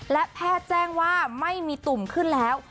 และแพทย์แจ้งว่าไม่มีตุ่มขึ้นแล้ว